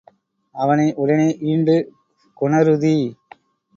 அவனை உடனே ஈண்டுக் கொணருதி.